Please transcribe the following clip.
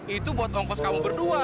itu buat ongkos kamu berdua